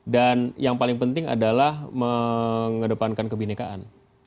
dan yang paling penting adalah mengedepankan kebhinnekaan